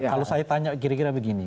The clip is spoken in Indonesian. kalau saya tanya kira kira begini